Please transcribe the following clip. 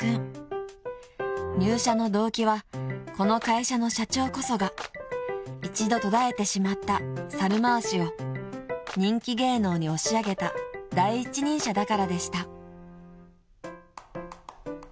［入社の動機はこの会社の社長こそが一度途絶えてしまった猿回しを人気芸能に押し上げた第一人者だからでした］